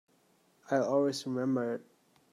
I'll always remember it.